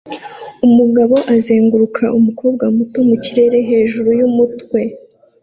Umugabo azunguruka umukobwa muto mu kirere hejuru yumutwe